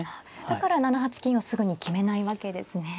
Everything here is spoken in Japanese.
だから７八金をすぐに決めないわけですね。